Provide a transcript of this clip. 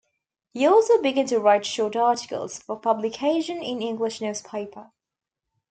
He also began to write short articles for publication in English newspapers.